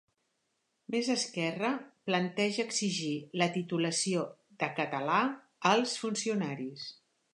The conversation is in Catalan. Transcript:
Més Esquerra planteja exigir la titulació de català als funcionaris